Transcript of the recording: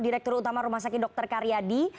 direktur utama rumah sakit dr karyadi